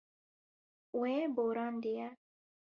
Wê borandiye.